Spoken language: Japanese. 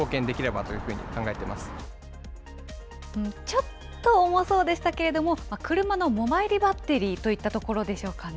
ちょっと重そうでしたけれども、車のモバイルバッテリーといったところでしょうかね。